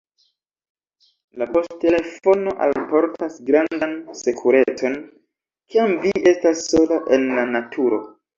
La poŝtelefono alportas grandan sekurecon, kiam vi estas sola en la naturo.